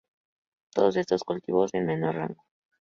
Todo estos cultivos en menor rango.